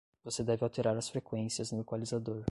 você deve alterar as frequências no equalizador